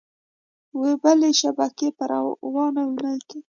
وې بلې شبکې په روانه اونۍ کې